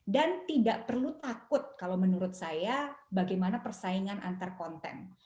dan tidak perlu takut kalau menurut saya bagaimana persaingan antar konten